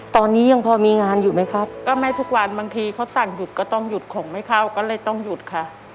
ตอนนี้ยังพอมีงานอยู่ไหมครับก็ไม่ทุกวันบางทีเขาสั่งหยุดก็ต้องหยุดของไม่เข้าก็เลยต้องหยุดค่ะ